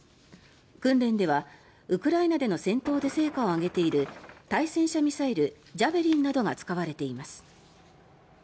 訓練ではウクライナでの戦闘で成果を上げている対戦車ミサイルジャベリンなどが使われています。